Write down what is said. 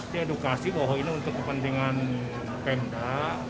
diedukasi bahwa ini untuk kepentingan pemda